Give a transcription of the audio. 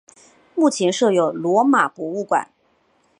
目前设有罗马博物馆。